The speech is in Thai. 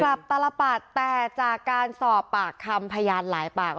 กลับตลปัดแต่จากการสอบปากคำพยานหลายปาก